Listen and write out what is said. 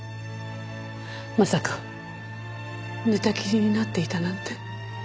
まさか寝たきりになっていたなんて。